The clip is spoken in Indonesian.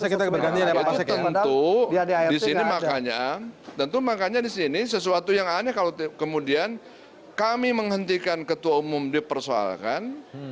itu tentu di sini makanya sesuatu yang aneh kalau kemudian kami menghentikan ketua umum dipersoalkan